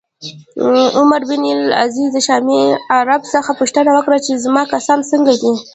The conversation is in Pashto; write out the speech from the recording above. عمر بن عبدالعزیز د شامي عرب څخه پوښتنه وکړه چې زما کسان څنګه دي